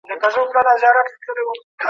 موږ يې له برکته خورو.